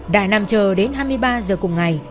đại nàm chờ đến hai mươi ba h cùng ngày